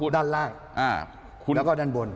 ด้านล่างแล้วก็ด้านบน